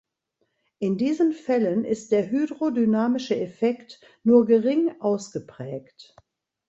In diesen Fällen ist der hydrodynamische Effekt nur gering ausgeprägt.